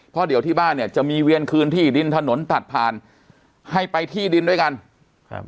เพราะเดี๋ยวที่บ้านเนี่ยจะมีเวียนคืนที่ดินถนนตัดผ่านให้ไปที่ดินด้วยกันครับ